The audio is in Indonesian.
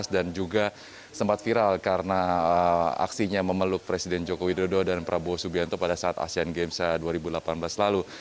dan juga sempat viral karena aksinya memeluk presiden joko widodo dan prabowo subianto pada saat asean games dua ribu delapan belas lalu